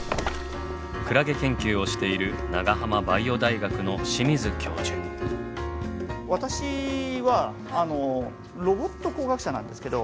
クラゲ研究をしている私はロボット工学者なんですけど。